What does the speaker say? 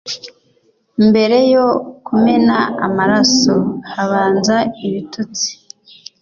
mbere yo kumena amaraso, habanza ibitutsi.